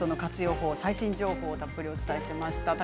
法最新情報をたっぷりお伝えしました。